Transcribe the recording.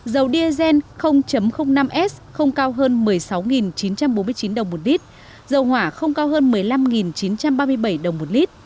dầu diesel năm s không cao hơn một mươi sáu chín trăm bốn mươi chín đồng một lít dầu hỏa không cao hơn một mươi năm chín trăm ba mươi bảy đồng một lít